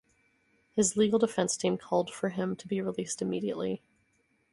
His legal defence team called for him to be released immediately.